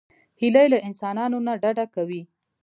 هیلۍ له انسانانو نه ډډه کوي